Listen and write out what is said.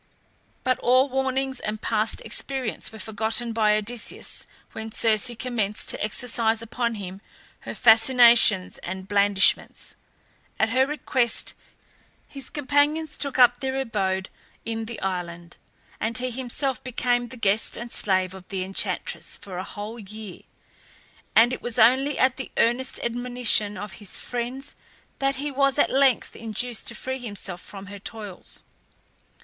But all warnings and past experience were forgotten by Odysseus when Circe commenced to exercise upon him her fascinations and blandishments. At her request his companions took up their abode in the island, and he himself became the guest and slave of the enchantress for a whole year; and it was only at the earnest admonition of his friends that he was at length induced to free himself from her toils.